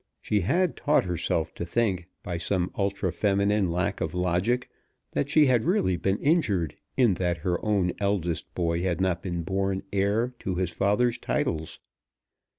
She had taught herself to think, by some ultra feminine lack of logic, that she had really been injured in that her own eldest boy had not been born heir to his father's titles.